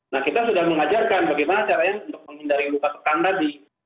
nah kita sudah mengajarkan bagaimana caranya untuk menghindari luka tekan tadi